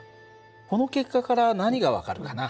この結果から何が分かるかな？